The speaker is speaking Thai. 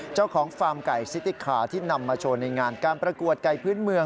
ฟาร์มไก่ซิติคาที่นำมาโชว์ในงานการประกวดไก่พื้นเมือง